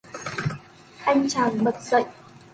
Anh chàng bật dậy